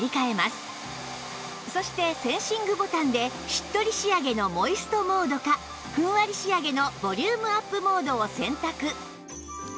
そしてセンシングボタンでしっとり仕上げのモイストモードかふんわり仕上げのボリュームアップモードを選択